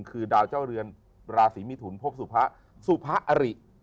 คือดาวเจ้าเรือนราศีมิถุนพบสุพะสุพะอริ